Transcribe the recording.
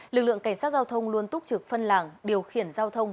lực lượng cảnh sát giao thông luôn túc trực phân làng điều khiển giao thông